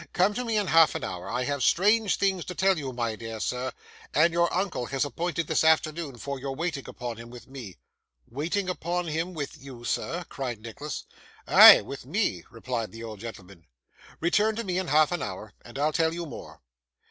Come to me in half an hour; I have strange things to tell you, my dear sir, and your uncle has appointed this afternoon for your waiting upon him with me.' 'Waiting upon him! With you, sir!' cried Nicholas. 'Ay, with me,' replied the old gentleman. 'Return to me in half an hour, and I'll tell you more.